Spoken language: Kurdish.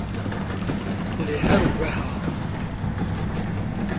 lê her weha